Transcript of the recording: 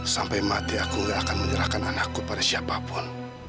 sampai mati aku gak akan menyerahkan anakku pada siapapun